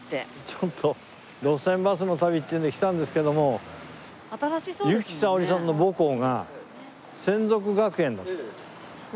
ちょっと『路線バスの旅』っていうので来たんですけども由紀さおりさんの母校が洗足学園。